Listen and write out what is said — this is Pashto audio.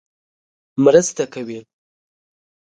مرسته کوي.